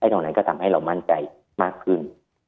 เท่านั้นก็ทำให้เรามั่นใจมากขึ้น